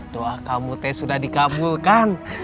doa kamu teh sudah dikabulkan